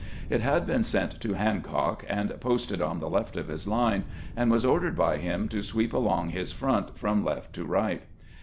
It had been sent to Hancock, and posted on the left of his line, and was ordered by him to sweep along his front from left to right.